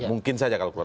mungkin saja kalau keluar